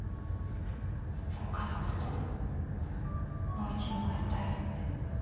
ご家族ともう一度会いたいって。